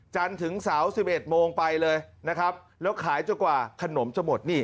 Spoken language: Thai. จันทร์ถึงเสา๑๑โมงไปเลยนะครับแล้วขายจนกว่าขนมจะหมด